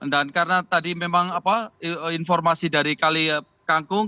dan karena tadi memang informasi dari kali kangkung